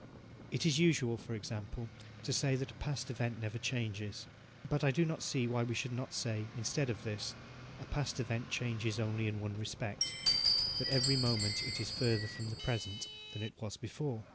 It is usual, for example, to say that a past event never changes, but I do not see why we should not say, instead of this, "a past event changes only in one respect that every moment it is further from the present than it was before".